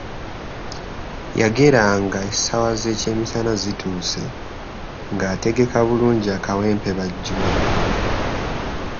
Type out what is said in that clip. Yageranga essaawa z’ekyemisana zituuse, nga ategeka bulungi akawempe bajjule.